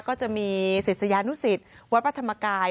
ก็จะมีศิษยานุสิตวัดพระธรรมกาย